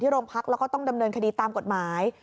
โรงพักแล้วก็ต้องดำเนินคดีตามกฎหมาย